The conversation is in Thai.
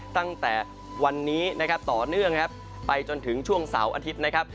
ตั้งแต่วันนี้นะครับต่อเนื่องครับไปจนถึงช่วงเสาร์อาทิตย์นะครับ